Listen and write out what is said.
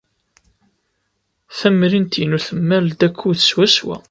Tamrint-inu temmal-d akud swaswa.